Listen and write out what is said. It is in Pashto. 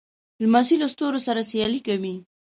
لمسی له ستوري سره سیالي کوي.